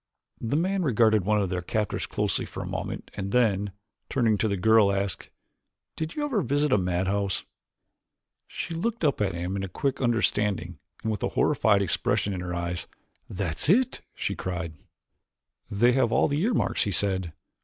The man regarded one of their captors closely for a moment and then, turning to the girl asked, "Did you ever visit a madhouse?" She looked up at him in quick understanding and with a horrified expression in her eyes. "That's it!" she cried. "They have all the earmarks," he said.